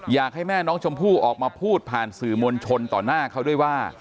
อยากให้แม่น้องชมพู่ออกมาพูดผ่านสื่อมวลชนต่อหน้าเขาด้วยว่า